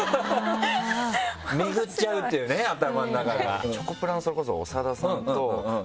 巡っちゃうというね頭の中が。